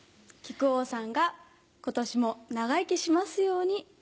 木久扇さんが今年も長生きしますように。